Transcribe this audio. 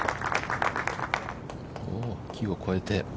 木を越えて。